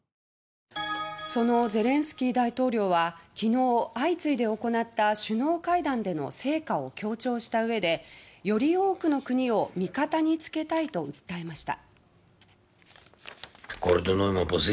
ゼレンスキー大統領は昨日相次いで行った首脳会談での成果を強調した上でより多くの国々を味方につけたいと訴えました。